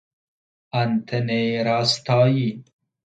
آنتن راستایی